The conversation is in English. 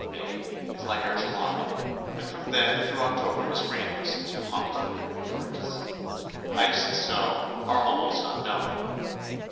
May is like our July, and from then through October is rainless and too hot for American tourists. Ice and snow are almost unknown.